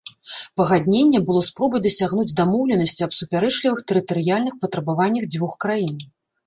Пагадненне было спробай дасягнуць дамоўленасці аб супярэчлівых тэрытарыяльных патрабаваннях дзвюх краін.